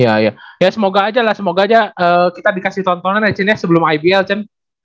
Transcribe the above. ya ya ya semoga aja lah semoga aja kita dikasih tontonan ya cien ya sebelum ibl cien